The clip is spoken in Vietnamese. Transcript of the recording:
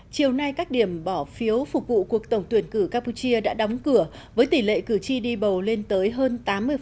chiều nay các điểm bỏ phiếu phục vụ cuộc tổng tuyển cử campuchia đã đóng cửa với tỷ lệ cử tri đi bầu lên tới hơn tám mươi